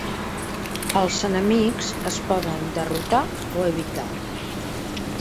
Els enemics es poden derrotar o evitar.